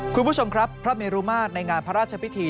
คุณผู้ชมครับพระเมรุมาตรในงานพระราชพิธี